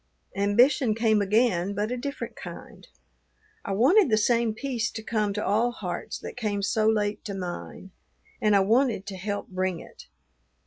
Ambition came again, but a different kind: I wanted the same peace to come to all hearts that came so late to mine, and I wanted to help bring it.